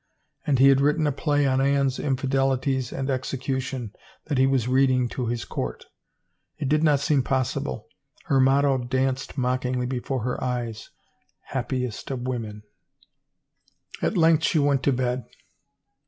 ... And he had written a play on Anne's infidelities and execution that he was reading to his court 1 It did not seem possible. Her motto danced mockingly before her eyes — Happiest of Women. At length she went to bed.